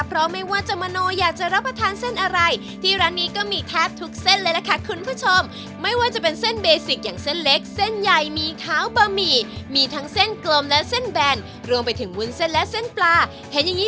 เพราะไม่ว่าจะมาโนยาจะรับประทานเส้นอะไรที่ร้านนี้ก็มีแทบทุกเส้นเลยละค่ะคุณผู้ชม